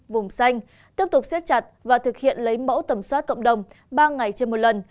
vùng xanh tiếp tục xét chặt và thực hiện lấy mẫu tẩm soát cộng đồng ba ngày trên một lần